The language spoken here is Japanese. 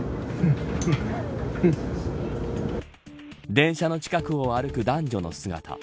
電車の近くを歩く男女の姿。